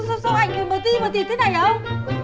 sao sao ảnh này mà đi mà thịt thế này không